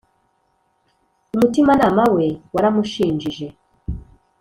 -umutima nama we waramushinjize